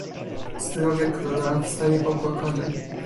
"„Zdrowie króla w stanie opłakanym."